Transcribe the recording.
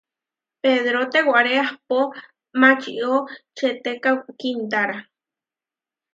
Pedró tewaré ahpó mačió četéka kiintára.